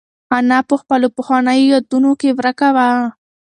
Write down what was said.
انا په خپلو پخوانیو یادونو کې ورکه وه.